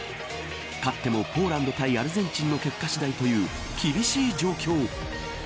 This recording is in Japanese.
勝ってもポーランド対アルゼンチンの結果次第という厳しい状況。